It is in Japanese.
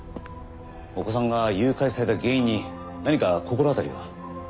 お子さんが誘拐された原因に何か心当たりは？